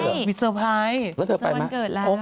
นี่มีสเตอร์ไพรสวันเกิดแล้ว